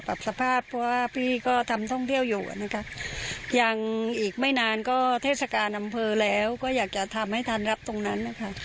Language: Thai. สภาพเพราะว่าพี่ก็ทำท่องเที่ยวอยู่นะคะยังอีกไม่นานก็เทศกาลอำเภอแล้วก็อยากจะทำให้ทันรับตรงนั้นนะคะ